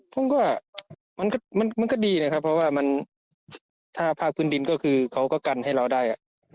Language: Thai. ผมก็มันก็ดีนะครับเพราะว่ามันถ้าภาคพื้นดินก็คือเขาก็กันให้เราได้